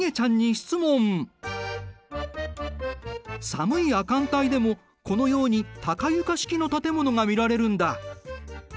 寒い亜寒帯でもこのように高床式の建物が見られるんだ。